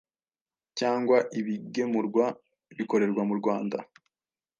cyangwa ibigemurwa bikorerwa mu Rwanda;